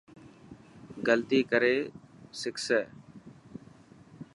غلطي ڪري سکسي.